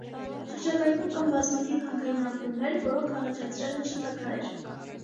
Շրջակայքում կան բազմաթիվ հանքային աղբյուրներ, որոնք առաջացրել են շթաքարեր։